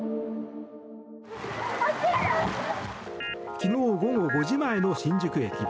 昨日午後５時前の新宿駅。